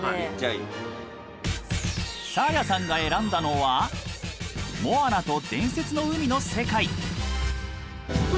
サーヤさんが選んだのは「モアナと伝説の海」の世界。